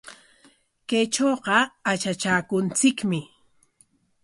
Kaytrawqa atratraakunchikmi .